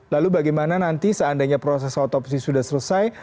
lalu bagaimana nanti seandainya proses otopsi sudah selesai